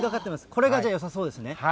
これがよさそうですね。